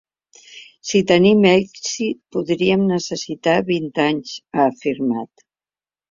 Si tenim èxit, podríem necessitar vint anys, ha afirmat.